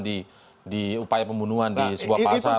di upaya pembunuhan di sebuah pasal